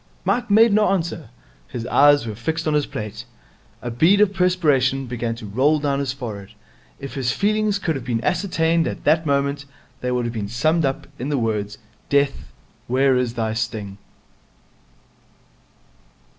Mike made no answer. His eyes were fixed on his plate. A bead of perspiration began to roll down his forehead. If his feelings could have been ascertained at that moment, they would have been summed up in the words, 'Death, where is thy sting?'